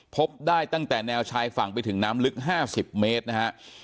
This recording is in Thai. พบได้ตั้งแต่แนวชายฝั่งไปถึงน้ำลึก๕๐เมตรนะฮะ